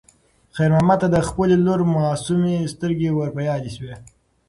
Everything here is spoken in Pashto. خیر محمد ته د خپلې لور معصومې سترګې ور په یاد شوې.